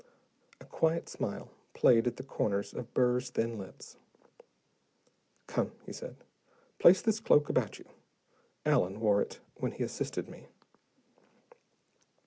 A quiet smile played at the corners of Burr's thin lips. "Come," he said. "Place this cloak about you. Allen wore it when he assisted me."